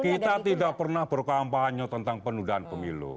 kita tidak pernah berkampanye tentang penundaan pemilu